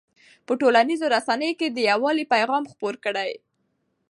په ټولنیزو رسنیو کې د یووالي پیغام خپور کړئ.